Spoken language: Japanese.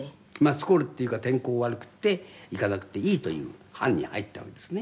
「スコールっていうか天候悪くって行かなくていいという班に入ったわけですね」